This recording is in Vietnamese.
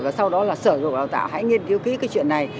và sau đó là sở dục đào tạo hãy nghiên cứu kỹ cái chuyện này